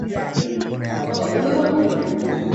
Moyo Kwenye moyo huweza kuleta Shambulizi la moyo na vilevile